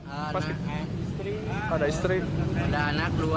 ada istri ada anak dua